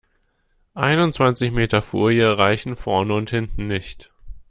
Einundzwanzig Meter Folie reichen vorne und hinten nicht.